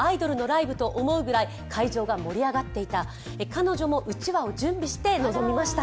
彼女もうちわを準備して臨みました。